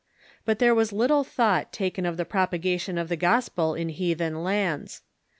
But there was little tliought taken of the propagation of the Gospel in heathen lands.